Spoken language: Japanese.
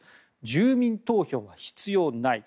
住民投票は必要ない。